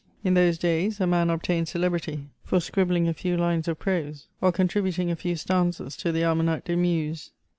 In those days, a man obtained celebrity for scribbling a few lines of prose, or contributing a few stanzas to the Almanack des Muses.